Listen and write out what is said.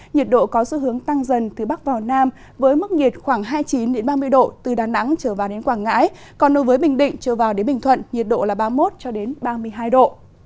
nhiệt độ có xu hướng tăng dần từ bắc vào nam với mức nhiệt khoảng hai mươi chín ba mươi độ từ đà nẵng trở vào đến quảng ngãi còn đối với bình định trở vào đến bình thuận nhiệt độ là ba mươi một ba mươi hai độ